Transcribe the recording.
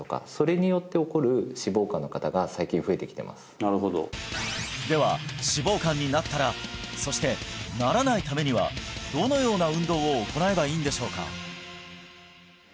なるほどでは脂肪肝になったらそしてならないためにはどのような運動を行えばいいんでしょうか？